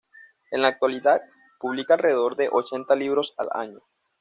En la actualidad, publica alrededor de ochenta libros al año.